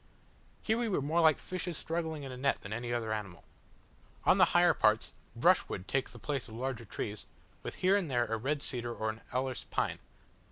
Here we were more like fishes struggling in a net than any other animal. On the higher parts, brushwood takes the place of larger trees, with here and there a red cedar or an alerce pine.